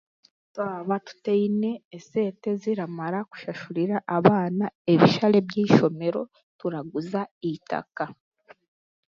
twaba tutaine esente ziramara kushashurira abaana ebishare by'eishomero turaguza eitaka